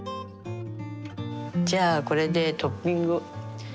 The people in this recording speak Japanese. じゃあこれでトッピング。